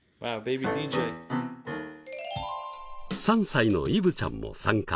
３歳のイブちゃんも参加。